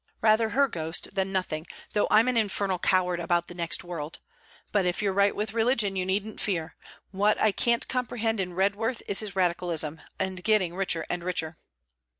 Rather her ghost than nothing though I'm an infernal coward about the next world. But if you're right with religion you needn't fear. What I can't comprehend in Redworth is his Radicalism, and getting richer and richer.'